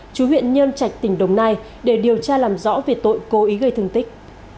chú huyện nhân trạch tỉnh đồng nai để điều tra làm rõ về tội cố ý gây thương tích